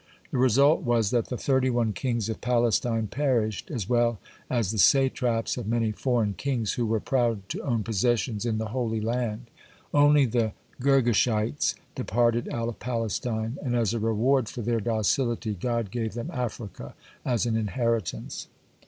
The result was that the thirty one kings of Palestine perished, as well as the satraps of many foreign kings, who were proud to own possessions in the Holy Land. (33) Only the Girgashites departed out of Palestine, and as a reward for their docility God gave them Africa as an inheritance.